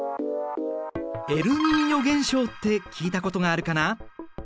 エルニーニョ現象って聞いたことがあるかな？